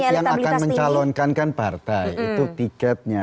yang akan mencalonkan kan partai itu tiketnya